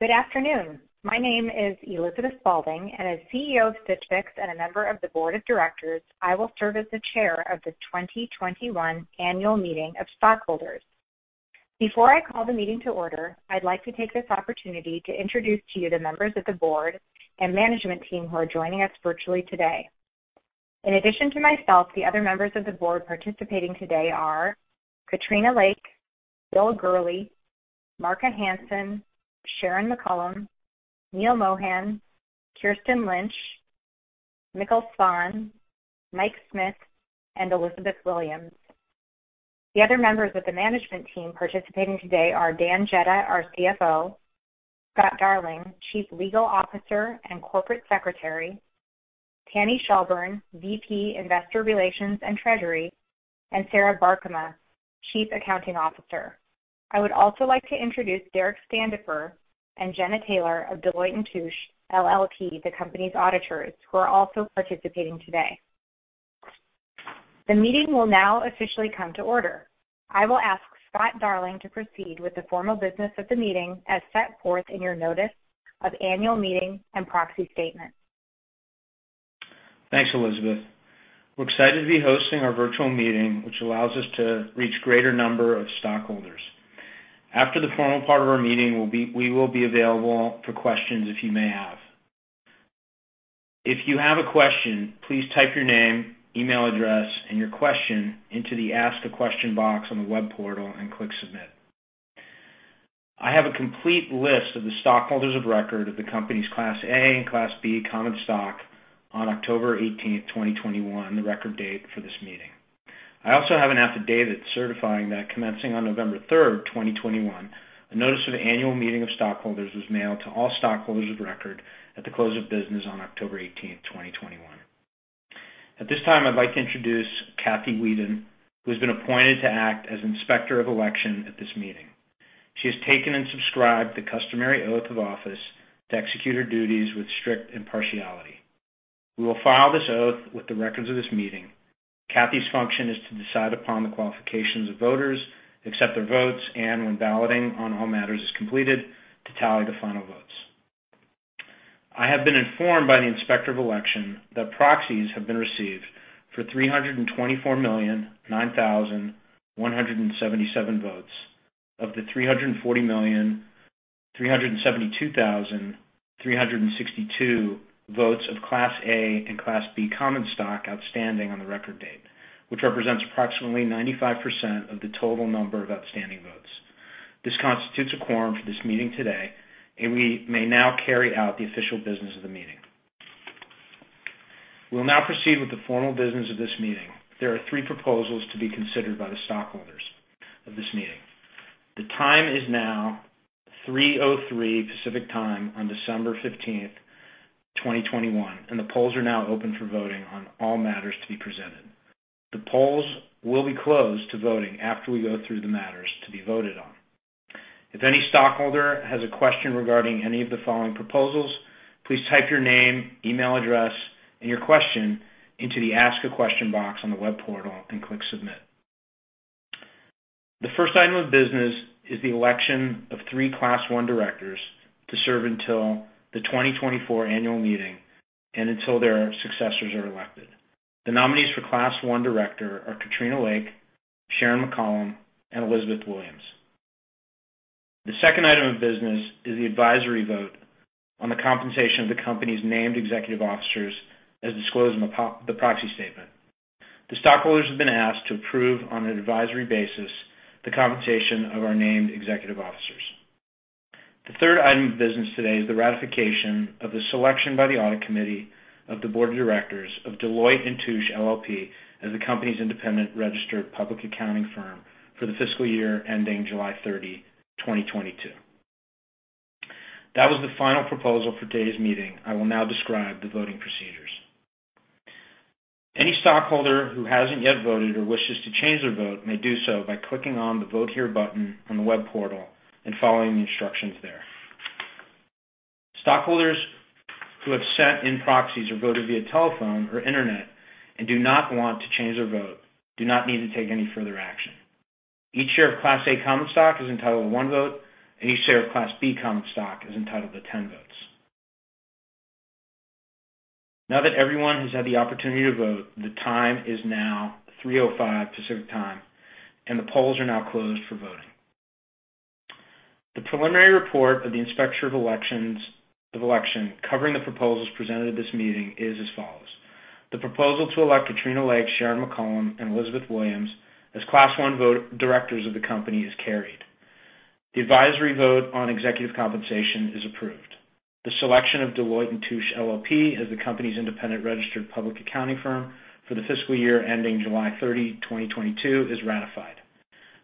Good afternoon. My name is Elizabeth Spaulding, and as CEO of Stitch Fix and a member of the board of directors, I will serve as the chair of the 2021 annual meeting of stockholders. Before I call the meeting to order, I'd like to take this opportunity to introduce to you the members of the board and management team who are joining us virtually today. In addition to myself, the other members of the board participating today are Katrina Lake, Bill Gurley, Marka Hansen, Sharon McCollam, Neil Mohan, Kirsten Lynch, Mikkel Svane, Mike Smith, and Elizabeth Williams. The other members of the management team participating today are Dan Jedda, our CFO, Scott Darling, Chief Legal Officer and Corporate Secretary, Tani Shelburne, VP Investor Relations and Treasury, and Sarah Barkema, Chief Accounting Officer. I would also like to introduce Derek Standifer and Jenna Taylor of Deloitte & Touche LLP, the company's auditors, who are also participating today. The meeting will now officially come to order. I will ask Scott Darling to proceed with the formal business of the meeting as set forth in your notice of annual meeting and proxy statement. Thanks, Elizabeth. We're excited to be hosting our virtual meeting, which allows us to reach a greater number of stockholders. After the formal part of our meeting, we will be available for questions if you may have. If you have a question, please type your name, email address, and your question into the Ask a Question box on the Web portal and click Submit. I have a complete list of the stockholders of record of the company's Class A and Class B common stock on October 18, 2021, the record date for this meeting. I also have an affidavit certifying that commencing on November 3, 2021, a notice of annual meeting of stockholders was mailed to all stockholders of record at the close of business on October 18, 2021. At this time, I'd like to introduce Kathy Weeden, who has been appointed to act as inspector of election at this meeting. She has taken and subscribed the customary oath of office to execute her duties with strict impartiality. We will file this oath with the records of this meeting. Kathy's function is to decide upon the qualifications of voters, accept their votes, and when validating on all matters is completed, to tally the final votes. I have been informed by the inspector of election that proxies have been received for 324,009,177 votes of the 340,372,362 votes of Class A and Class B common stock outstanding on the record date, which represents approximately 95% of the total number of outstanding votes. This constitutes a quorum for this meeting today, and we may now carry out the official business of the meeting. We'll now proceed with the formal business of this meeting. There are three proposals to be considered by the stockholders of this meeting. The time is now 3:03 P.M. Pacific Time on December 15, 2021, and the polls are now open for voting on all matters to be presented. The polls will be closed to voting after we go through the matters to be voted on. If any stockholder has a question regarding any of the following proposals, please type your name, email address, and your question into the Ask a Question box on the web portal and click Submit. The first item of business is the election of three Class I directors to serve until the 2024 annual meeting and until their successors are elected. The nominees for Class I director are Katrina Lake, Sharon McCollam, and Elizabeth Williams. The second item of business is the advisory vote on the compensation of the company's named executive officers as disclosed in the proxy statement. The stockholders have been asked to approve on an advisory basis the compensation of our named executive officers. The third item of business today is the ratification of the selection by the audit committee of the board of directors of Deloitte & Touche LLP as the company's independent registered public accounting firm for the fiscal year ending July 30, 2022. That was the final proposal for today's meeting. I will now describe the voting procedures. Any stockholder who hasn't yet voted or wishes to change their vote may do so by clicking on the Vote Here button on the web portal and following the instructions there. Stockholders who have sent in proxies or voted via telephone or internet and do not want to change their vote do not need to take any further action. Each share of Class A common stock is entitled to one vote, and each share of Class B common stock is entitled to 10 votes. Now that everyone has had the opportunity to vote, the time is now 3:05 P.M. Pacific Time, and the polls are now closed for voting. The preliminary report of the inspector of election covering the proposals presented at this meeting is as follows. The proposal to elect Katrina Lake, Sharon McCollam, and Elizabeth Williams as Class I directors of the company is carried. The advisory vote on executive compensation is approved. The selection of Deloitte & Touche LLP as the company's independent registered public accounting firm for the fiscal year ending July 30, 2022, is ratified.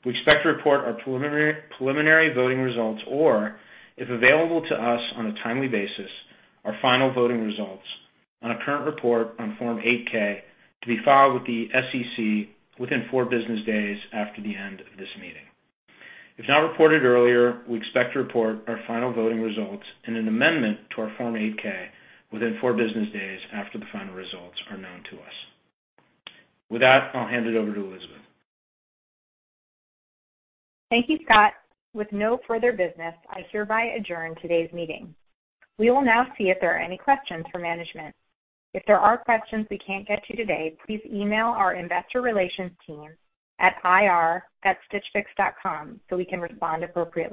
We expect to report our preliminary voting results or, if available to us on a timely basis, our final voting results on a current report on Form 8-K to be filed with the SEC within four business days after the end of this meeting. If not reported earlier, we expect to report our final voting results and an amendment to our Form 8-K within four business days after the final results are known to us. With that, I'll hand it over to Elizabeth. Thank you, Scott. With no further business, I hereby adjourn today's meeting. We will now see if there are any questions for management. If there are questions we can't get to today, please email our investor relations team at ir@stitchfix.com so we can respond appropriately.